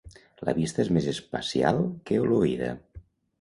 La vista és més espacial que l'oïda.